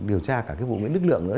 điều tra cả cái vụ với đức lượng nữa